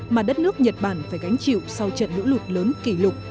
mà đất nước nhật bản phải gánh chịu sau trận lũ lụt lớn kỷ lục